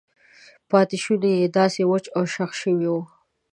پاتې شونې یې داسې وچ او شخ شوي وو.